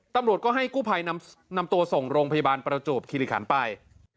ตำรวจก็ให้กู้ภัยนำตัวส่งโรงพยาบาลประจวบคิริขันไป